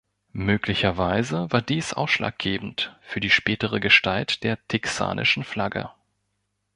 Möglicherweise war dies ausschlaggebend für die spätere Gestalt der texanischen Flagge.